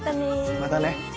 またね。